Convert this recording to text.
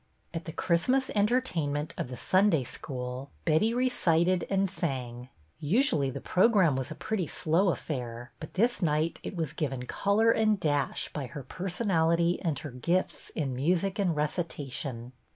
At the Christmas entertainment of the Sunday School, Betty recited and sang. Usually the program was a pretty slow affair, but this night it was given color and dash by her personality and her gifts in music and recitation.